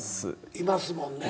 いますもんね。